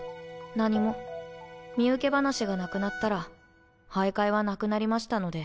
何も身請け話がなくなったら徘徊はなくなりましたので。